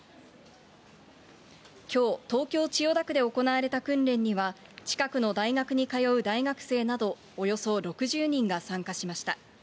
きょう、東京・千代田区で行われた訓練には、近くの大学に通う大学生などおよそ６０人が参加しました。